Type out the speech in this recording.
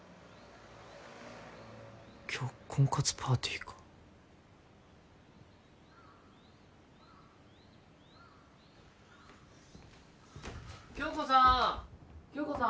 今日婚活パーティーか響子さーん響子さん